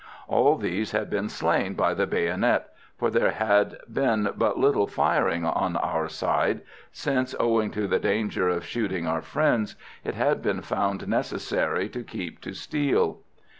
All these had been slain by the bayonet, for there had been but little firing on our side since, owing to the danger of shooting our friends, it had been found necessary to keep to steel.